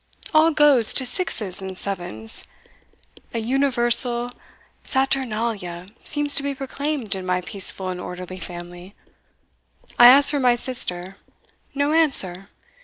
All goes to sixes and sevens an universal saturnalia seems to be proclaimed in my peaceful and orderly family. I ask for my sister no answer.